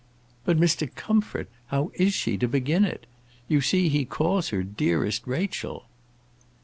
"But, Mr. Comfort, how is she to begin it? You see he calls her Dearest Rachel."